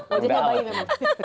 oh jadi kamu bayi memang